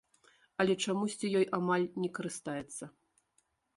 Але чамусьці ёй амаль не карыстаецца.